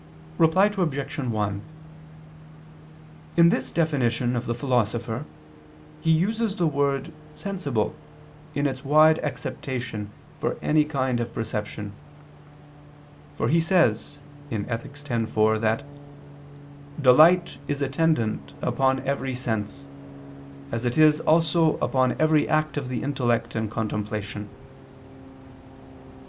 Reply Obj. 1: In this definition of the Philosopher, he uses the word "sensible" in its wide acceptation for any kind of perception. For he says (Ethic. x, 4) that "delight is attendant upon every sense, as it is also upon every act of the intellect and contemplation."